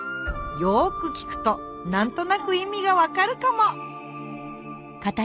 よく聞くとなんとなくいみがわかるかも？